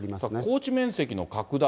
耕地面積の拡大